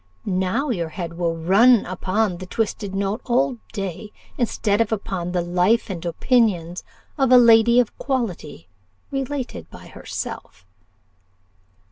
Now your head will run upon the twisted note all day, instead of upon 'The Life and Opinions of a Lady of Quality, related by herself.